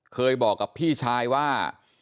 เคยบอกกับพี่ชายว่า